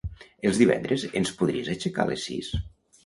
Els divendres ens podries aixecar a les sis?